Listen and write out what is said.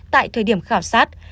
tại thời điểm khảo sát